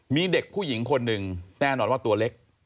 มีเด็กผู้หญิงคนหนึ่งแน่นอนว่าตัวเล็ก